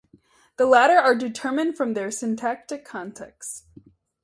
The latter are determined from their syntactic context.